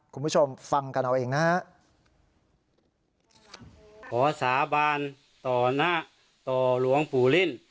คุณผู้ชมฟังกันเอาเองนะฮะขอสาบานต่อหน้าต่อหลวงปู่ลิ่น